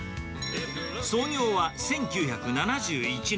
創業は１９７１年。